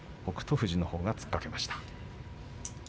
富士のほうが突っかけました。